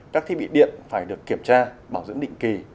các thiết bị điện phải được kiểm tra bảo dưỡng định kỳ